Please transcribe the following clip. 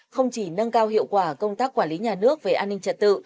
không chỉ nâng cao hiệu quả công tác quản lý nhà nước về an ninh trật tự